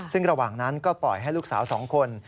ซึ่งระหว่างนั้นก็ปล่อยให้ลูกสาว๒คน